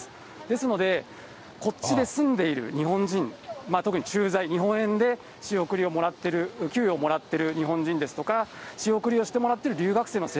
ですので、こっちで住んでいる日本人、特に駐在、日本円で仕送りをもらってる、給料をもらってる日本人ですとか、仕送りをしてもらってる留学生の